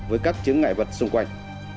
trong những ngại vật xung quanh